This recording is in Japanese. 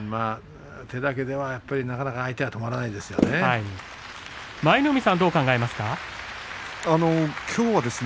手だけでは、なかなか相手は止まらないですよね。